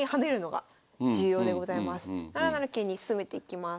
７七桂に進めていきます。